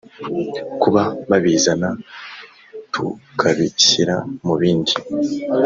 kuba babizana tukabishyira mu bindi.